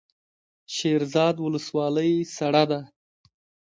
شیرزاد ولسوالۍ سړه ده؟